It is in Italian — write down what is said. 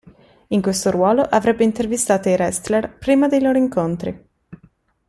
In questo ruolo avrebbe intervistato i wrestler prima dei loro incontri.